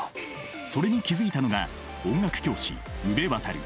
それに気付いたのが音楽教師宇部渉。